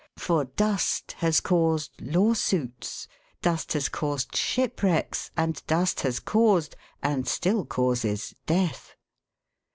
For dust has caused lawsuits, dust has DUST IN OUR HOUSES. 3 caused shipwrecks, and dust has caused, and still causes, death.